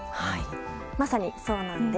まさに、そうなんです。